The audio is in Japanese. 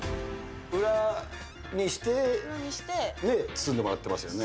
裏にして包んでもらっていますよね。